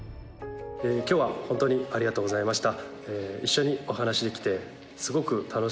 「今日はホントにありがとうございました」